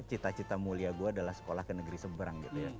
cita cita mulia gue adalah sekolah ke negeri seberang gitu ya